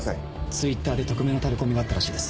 Ｔｗｉｔｔｅｒで匿名のタレコミがあったらしいです。